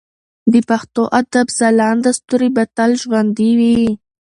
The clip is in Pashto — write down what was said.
د پښتو ادب ځلانده ستوري به تل ژوندي وي.